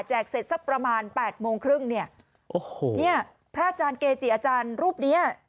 แจกเสร็จสักประมาณ๘โมงครึ่งเนี่ยพระอาจารย์เกจิอาจารย์รูปนี้